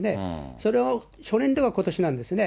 それの初年がことしなんですね。